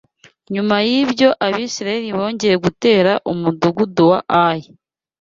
Nyuma y’ibyo Abisirayeli bongeye gutera umudugudu wa Ayi